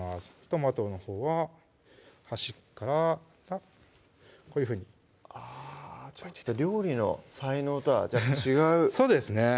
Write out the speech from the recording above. トマトのほうは端からこういうふうにあぁちょっと料理の才能とは違うそうですね